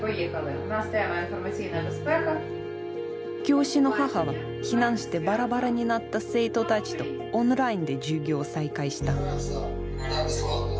教師の母は避難してバラバラになった生徒たちとオンラインで授業を再開した。